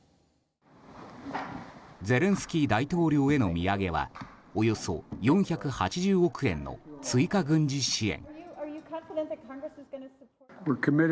ゼレンスキー大統領への土産はおよそ４８０億円の追加軍事支援。